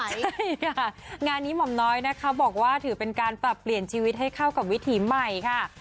ใช่ค่ะงานนี้หม่อมน้อยนะคะบอกว่าถือเป็นการปรับเปลี่ยนชีวิตให้เข้ากับวิถีใหม่ค่ะ